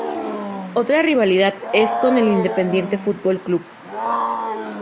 Otra rivalidad es con el Independiente Fútbol Club